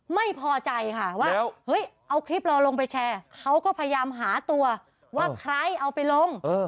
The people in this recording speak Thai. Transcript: ไม่พอใจค่ะว่าเฮ้ยเอาคลิปเราลงไปแชร์เขาก็พยายามหาตัวว่าใครเอาไปลง